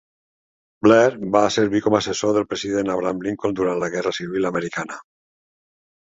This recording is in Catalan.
Blair va servir com a assessor del president Abraham Lincoln durant la Guerra Civil americana.